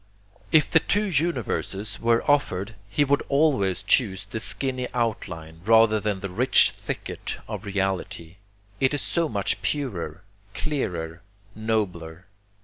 If the two universes were offered, he would always choose the skinny outline rather than the rich thicket of reality. It is so much purer, clearer, nobler.